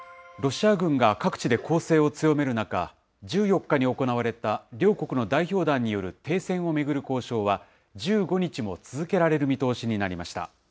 ロシア軍が各地で攻勢を強める中、１４日に行われた両国の代表団による停戦を巡る交渉は、１５日も続けられる見通しになりました。